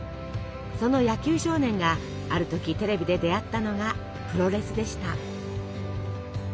その野球少年がある時テレビで出会ったのがプロレスでした。